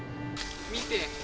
見て！